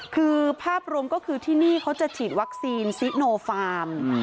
คือภาพรวมก็คือที่นี่เขาจะฉีดวัคซีนซิโนฟาร์ม